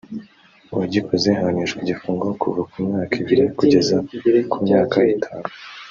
uwagikoze ahanishwa igifungo kuva ku myaka ibiri kugeza ku myaka itanu